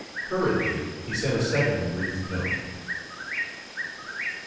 Hurriedly he sent a second brief note.